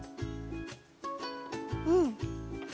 うん！